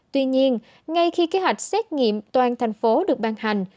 tuy nhiên ngay khi kế hoạch xét nghiệm toàn thành phố được ban hành